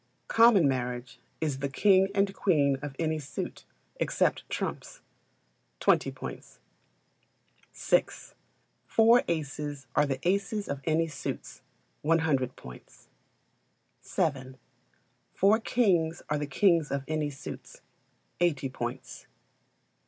Common Marriage is the king and queen of any suit, except trumps 20 points. vi. Four aces are the aces of any suits 100 points. vii. Four kings are the kings of any suits 80 points.